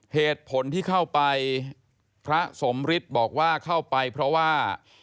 เหตุผลที่เข้าไปพระสมฤทธิ์บอกว่าเข้าไปเพราะว่า